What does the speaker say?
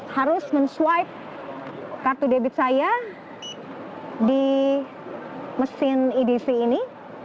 harus menswipe kartu debit saya di mesin edc ini